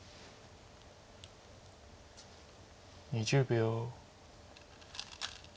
２０秒。